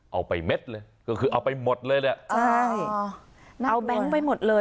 เอาไปเม็ดเลยก็คือเอาไปหมดเลยเนี่ยใช่เอาแบงค์ไปหมดเลย